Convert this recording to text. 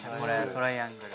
トライアングル。